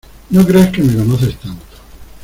no creas que me conoces tanto.